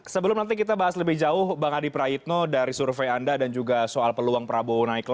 sebelum nanti kita bahas lebih jauh bang adi praitno dari survei anda dan juga soal peluang prabowo naik lagi